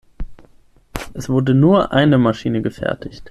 Es wurde nur eine Maschine gefertigt.